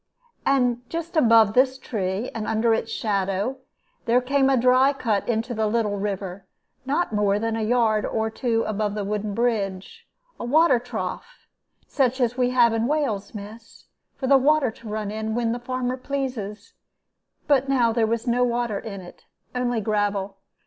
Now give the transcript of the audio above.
And just above this tree, and under its shadow, there came a dry cut into the little river, not more than a yard or two above the wooden bridge, a water trough such as we have in Wales, miss, for the water to run in, when the farmer pleases; but now there was no water in it, only gravel.